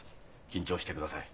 緊張してください。